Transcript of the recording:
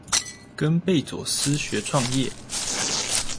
跟貝佐斯學創業